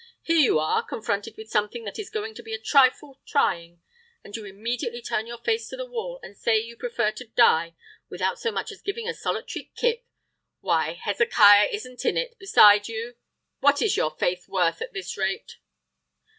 Here you are, confronted with something that is going to be a trifle trying, and you immediately turn your face to the wall, and say you prefer to die, without so much as giving a solitary kick! Why, Hezekiah isn't in it, beside you! What is your faith worth at this rate!"